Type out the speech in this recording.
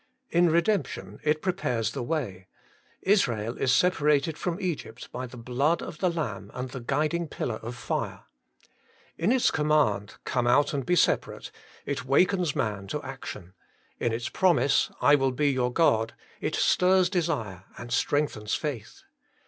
In redemption it prepares the way. Israel is separated from Egypt by the blood of the Lamb and the guiding pillar of fire. In its command, ' Come out and be separate,' it wakens man to action ; in its promises, ' I will be your God,' it stirs desire and strengthens faith.